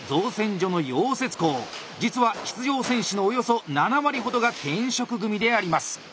実は出場選手のおよそ７割ほどが転職組であります。